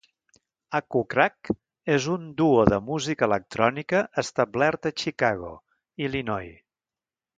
Acucrack és un duo de música electrònica establert a Chicago (Illinois).